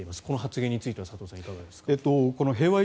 この発言については佐藤さん、いかがですか。